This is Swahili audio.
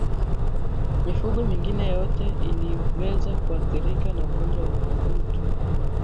Mifugo mingine yote inaweza kuathirika na ugonjwa wa ukurutu